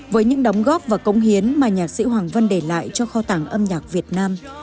với những đóng góp và cống hiến mà nhạc sĩ hoàng vân để lại cho kho tảng âm nhạc việt nam